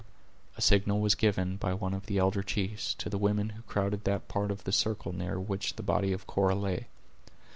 A signal was given, by one of the elder chiefs, to the women who crowded that part of the circle near which the body of Cora lay.